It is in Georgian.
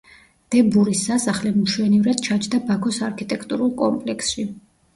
დე ბურის სასახლე მშვენივრად ჩაჯდა ბაქოს არქიტექტურულ კომპლექსში.